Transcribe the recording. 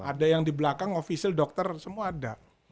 ada yang di belakang ofisial dokter semua ada